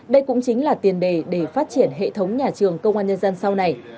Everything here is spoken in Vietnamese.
đây cũng chính là tiền đề để phát triển hệ thống nhà trường công an nhân dân sau này